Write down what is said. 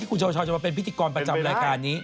คุณชาวจะมาเป็นพิธีกรประจำรายการนี้